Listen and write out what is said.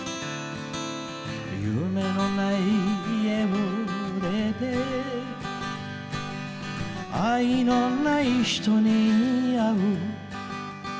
「夢のない家を出て愛のない人にあう」